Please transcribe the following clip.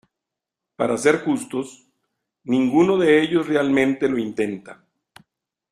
Para ser justos, ninguno de ellos realmente lo intenta.